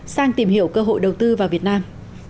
sang tìm hiểu cơ hội đầu tư vào việt nam